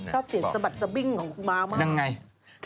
ชอบเสียงสะบัดซับบิ้งของบาวมาก